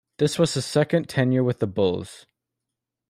This was his second tenure with the Bulls.